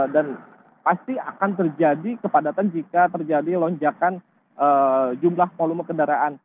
dan pasti akan terjadi kepadatan jika terjadi lonjakan jumlah polumen kendaraan